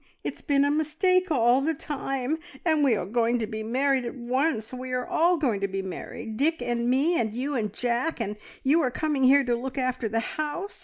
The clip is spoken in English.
It's been a mistake all the time, and we are going to be married at once. We are all going to be married! Dick and me, and you and Jack, and you are coming here to look after the house!